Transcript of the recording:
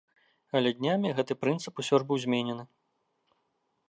Але днямі гэты прынцып усё ж быў зменены.